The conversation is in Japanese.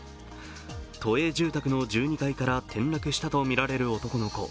都営住宅の１２階から転落したとみられる男の子。